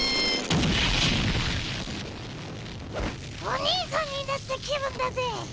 おにいさんになった気分だぜ。